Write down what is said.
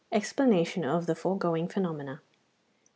EXPLANATION OF THE FOREGOING PHENOMENA.